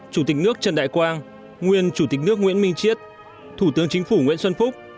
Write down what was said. chủ tịch nước trần đại quang nguyên chủ tịch nước nguyễn minh chiết thủ tướng chính phủ nguyễn xuân phúc